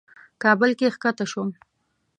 کابل کې کښته شوم.